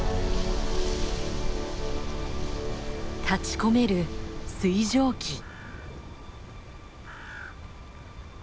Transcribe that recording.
立ち込める水蒸気。